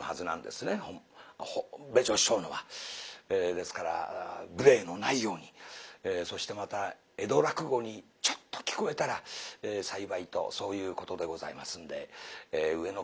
ですから無礼のないようにそしてまた江戸落語にちょっと聞こえたら幸いとそういうことでございますんで上野から浅草が舞台となっております。